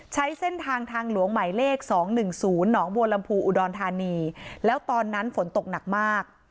ใช้เส้นทางทางหลวงหมายเลข๒๑๐หนองบัวลำพูอุดรธานีแล้วตอนนั้นฝนตกหนักมาก